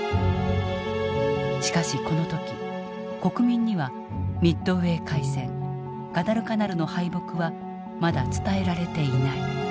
しかしこの時国民にはミッドウェー海戦ガダルカナルの敗北はまだ伝えられていない。